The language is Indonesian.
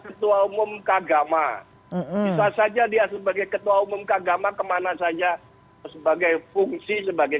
ketua dpp pdi perjuangan